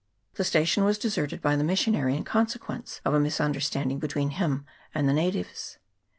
The station was deserted by the missionary in conse quence of a misunderstanding between him and the natives.